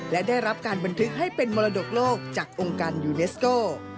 และได้รับการบันทึกให้เป็นมรดกโลกจากองค์การยูเนสโก